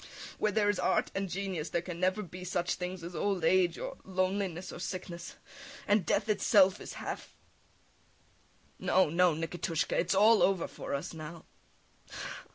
Where there is art and genius there can never be such things as old age or loneliness or sickness ... and death itself is half ... [Weeps] No, no, Nikitushka! It is all over for us now!